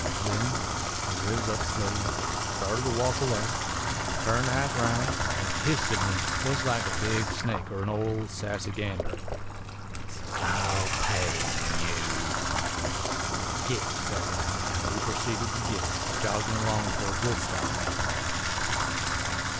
Then he riz up slowly, started to walk away, turned half round, an' hissed at me jest like a big snake er 'n old sassy gander: "'I'll pay you!' "'Git!' sez I, an' he purceeded to git, joggin' along towards Woodstock.